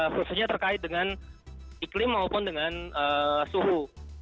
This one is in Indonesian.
khususnya terkait dengan iklim maupun dengan suhu